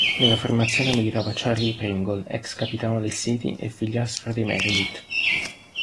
Nella formazione militava Charlie Pringle, ex capitano del City e figliastro di Meredith.